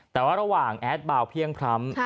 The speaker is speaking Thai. แต่ว่าระหว่างแอดบาวเพียงพร้ำ